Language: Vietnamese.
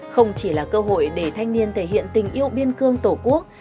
không chỉ là cơ hội để thanh niên thể hiện tình yêu biên cương tổ quốc